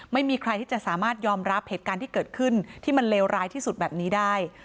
ไม่มีใครที่จะสามารถยอมรับเหตุการณ์ที่เกิดขึ้นที่มันเลวร้ายที่สุดแบบนี้ได้